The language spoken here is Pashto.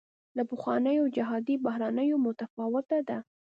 له پخوانیو جهادي بهیرونو متفاوته ده.